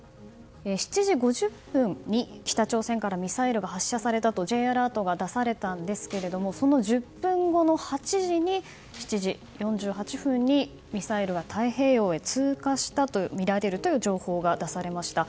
７時５０分に北朝鮮からミサイルが発射されたとＪアラートが出されたんですがその１０分後の７時４８分にミサイルは太平洋へ通過したと見られるという情報が出されました。